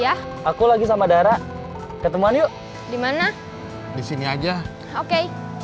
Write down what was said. ya aku lagi sama dara ketemuan yuk dimana disini aja oke